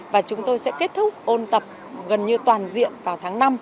và chúng tôi sẽ kết thúc ôn tập gần như toàn diện vào tháng năm